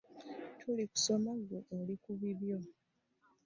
Tuli mu kusoma gwe oli ku bibyo.